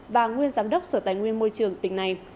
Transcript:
và nguyên giám đốc sở tài nguyên môi trường tỉnh này